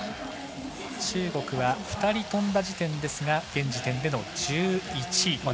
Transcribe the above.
中国は２人飛んだ時点ですが現時点での１１位。